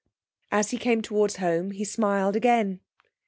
As he came towards home he smiled again.